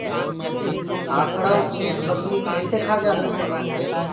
آنڪڙآئو اُنٺ ٻڪري ڪيسي کآ جآندآئين